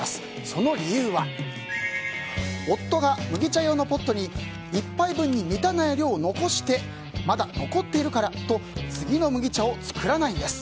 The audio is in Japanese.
その理由は夫が麦茶用のポットに１杯分に満たない量を残して、まだ残っているからと次の麦茶を作らないんです。